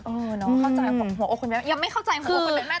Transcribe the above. เออน้องเข้าใจของหัวอกคุณแม่ยังไม่เข้าใจของหัวอกคุณแม่